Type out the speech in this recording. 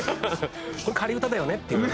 「これ仮歌だよね？」って言われる。